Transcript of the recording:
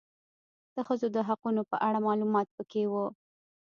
د ښځو د حقونو په اړه معلومات پکي و